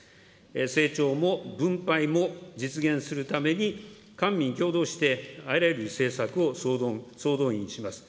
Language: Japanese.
成長も分配も実現するために、官民共同して、あらゆる政策を総動員します。